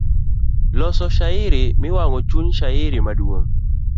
Loso shairi, mawang'o chuny, shairi maduong'.